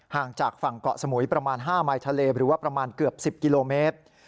ห่างจากฝั่งเกาะสมุยประมาณ๕มายทะเลหรือว่าประมาณเกือบ๑๐กิโลเมตร